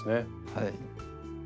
はい。